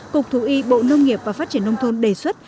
cục thú y bộ nông nghiệp và phát triển nông thôn đề xuất